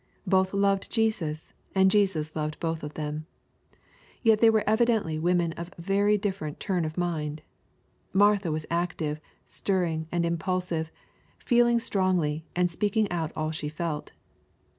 Both loved Jesus, and Jesus loved both of them. — Yet they were evidently women of very different turn of mind. Martha was active, stirring, and impulsive, feeling strongly, and speaking out all she felt.